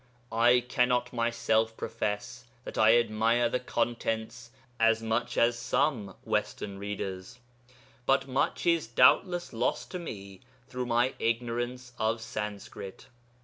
I cannot myself profess that I admire the contents as much as some Western readers, but much is doubtless lost to me through my ignorance of Sanskrit.